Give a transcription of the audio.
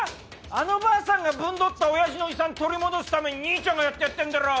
あの婆さんがぶん取った親父の遺産取り戻すために兄ちゃんがやってやったんだろ！？